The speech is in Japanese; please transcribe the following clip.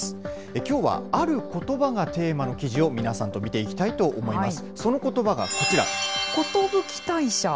きょうは、あることばがテーマの記事を皆さんと見ていきたいと思います。